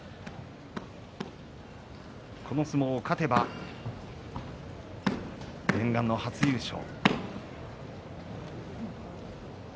この相撲を勝てば念願の初優勝。